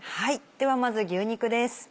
ではまず牛肉です。